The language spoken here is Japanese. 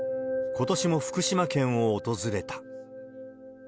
ことしも福島県を訪れた。